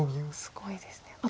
すごいですね。